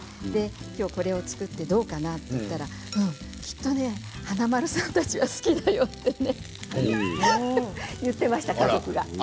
きょうこれを作ってどうかな？と言ったら、うんきっとね華丸さんたちは好きだよと言っていましたよ。